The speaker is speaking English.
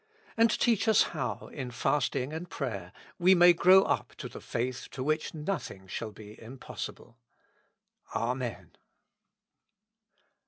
And teach us how, in fasting and prayer, we may grow up to the faith to which nothing shall be impossible. Amen.